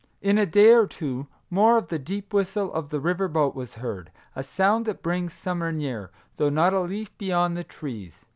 In a day or two more the deep whistle of the river boat was heard ; a sound that brings summer near, though not a leaf be on the trees.